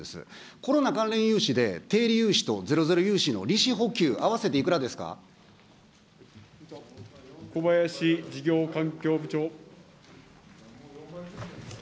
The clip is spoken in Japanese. コロナ関連融資で低利融資とゼロゼロ融資の利子補給、小林事業環境部長。